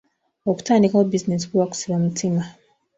Okutandikawo bizinensi kuba kusiba mutima.